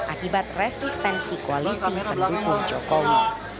akibat resistensi koalisi pendukung jokowi